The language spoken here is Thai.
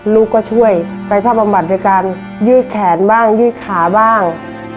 ลูกก็ช่วยไปผ้าบำบัดโดยการยืดแขนบ้างยืดขาบ้าง